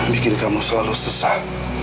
bikin kamu selalu sesat